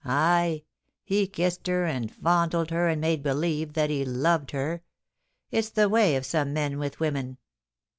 Ay ; he kissed her, and fondled her, and made believe that he loved her. It's the way of some men with women.